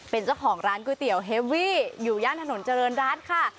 เป็นเจ้าของร้านก๋วยเตี๋ยวเฮวี่อยู่ย่านถนนเจริญรัฐค่ะ